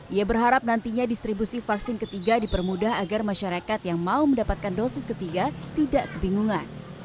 ia berharap nantinya distribusi vaksin ketiga dipermudah agar masyarakat yang mau mendapatkan dosis ketiga tidak kebingungan